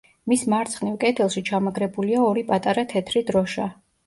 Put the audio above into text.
მის მარცხნივ კედელში ჩამაგრებულია ორი პატარა თეთრი დროშა.